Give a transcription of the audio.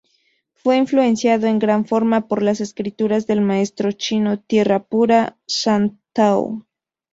Fue influenciado en gran forma por las escrituras del maestro chino Tierra Pura, Shan-tao.